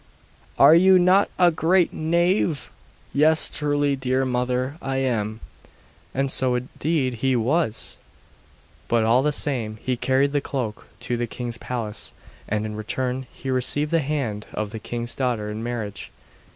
'Are you not a great knave?' 'Yes, truly dear mother, I am.' And so indeed he was! But, all the same, he carried the cloak to the king's palace, and in return he received the hand of the king's daughter in marriage.